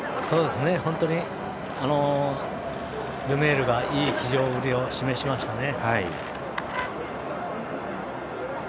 本当にルメールがいい騎乗ぶりを示しましたね。